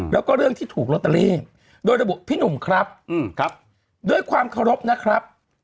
แล้วก็เรื่องที่ถูกลอตเตอรี่โดยระบุพี่หนุ่มครับครับด้วยความเคารพนะครับ